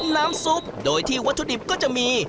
น้ำซุปโดยที่วัตถุดิบก็จะมี